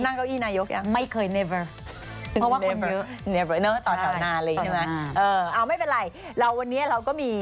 ไม่เป็นไรและวันนี้แล้วเราก็มี